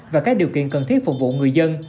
và các điều kiện cần thiết phục vụ người dân